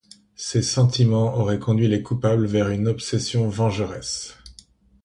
Ces sentiments auraient conduit les coupables vers une obsession vengeresse.